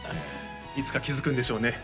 いつか気づくんでしょうね